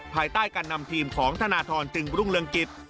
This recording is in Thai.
ภายใต้การนำทีมของธนทรจึงรุ่งเรืองกิจ